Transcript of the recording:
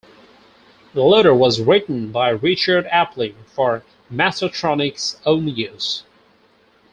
The loader was written by Richard Aplin for Mastertronic's own use.